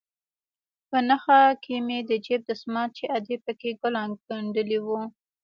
په نخښه کښې مې د جيب دسمال چې ادې پکښې ګلان گنډلي وو.